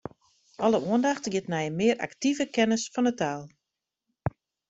Alle oandacht giet nei in mear aktive kennis fan 'e taal.